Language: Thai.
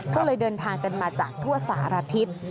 ก็เลยเดินทางกันมาจากทั่วสารทิศ